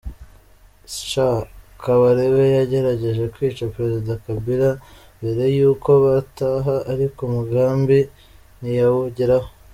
C.kabarebe yagerageje kwica president kabila mbere yuko bataha ariko umugambi ntiyawugeraho.